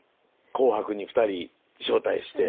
「紅白」に２人招待して。